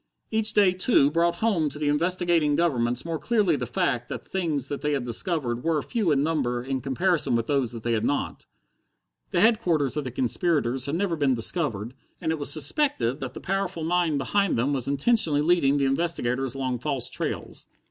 Each day, too, brought home to the investigating governments more clearly the fact that the things they had discovered were few in number in comparison with those they had not. The headquarters of the conspirators had never been discovered, and it was suspected that the powerful mind behind them was intentionally leading the investigators along false trails.